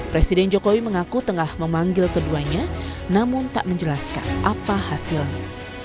presiden jokowi mengaku tengah memanggil keduanya namun tak menjelaskan apa hasilnya